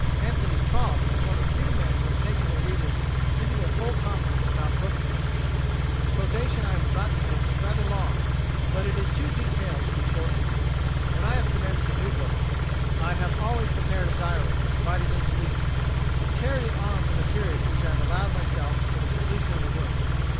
Anthony Trollope is one of the few men who have taken their readers into their full confidence about book production. The quotation I am about to make is rather long, but it is too detailed to be shortened: "When I have commenced a new book I have always prepared a diary, divided into weeks, and carried it on for the period which I have allowed myself for the completion of the work.